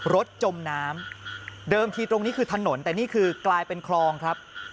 จมน้ำเดิมทีตรงนี้คือถนนแต่นี่คือกลายเป็นคลองครับ